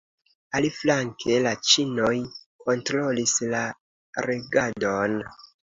Aliflanke, la ĉinoj kontrolis la regadon.